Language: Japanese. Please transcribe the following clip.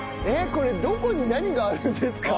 これどこに何があるんですか？